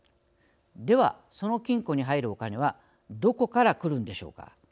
ではその金庫に入るお金はどこから来るんでしょうか。